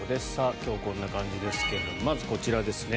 今日はこんな感じですがまずこちらですね。